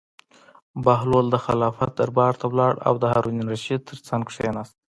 بهلول د خلافت دربار ته لاړ او د هارون الرشید تر څنګ کېناست.